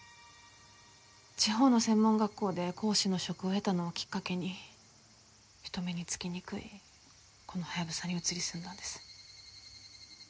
地方の専門学校で講師の職を得たのをきっかけに人目につきにくいこのハヤブサに移り住んだんです。